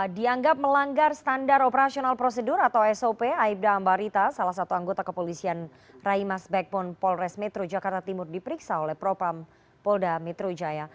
dianggap melanggar standar operasional prosedur atau sop aibda ambarita salah satu anggota kepolisian raimas backbone polres metro jakarta timur diperiksa oleh propam polda metro jaya